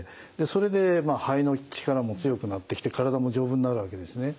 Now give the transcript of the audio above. それで肺の力も強くなってきて体も丈夫になるわけですね。